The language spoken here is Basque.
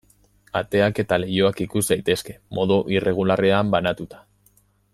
Ateak eta leihoak ikus daitezke, modu irregularrean banatuta.